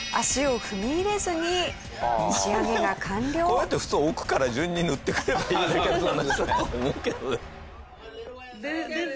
これって普通奥から順に塗ってくればいいだけの話。